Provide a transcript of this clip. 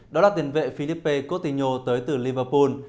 đó là tiền vệ filipe coutinho tới từ liverpool